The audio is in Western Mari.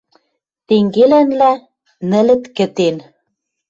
Тенгелӓнлӓ, нӹлӹт «кӹтен»